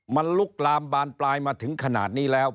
มันลุกลามบานปลายมาถึงขนาดนี้แล้ว